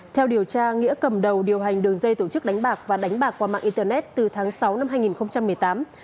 theo điều tra nghĩa cầm đầu điều hành đường dây tổ chức đánh bạc và đánh bạc qua mạng internet từ tháng sáu năm hai nghìn một mươi tám